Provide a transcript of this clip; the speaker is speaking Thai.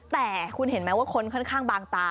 แต่คุณเห็นไหมว่าคนค่อนข้างบางตา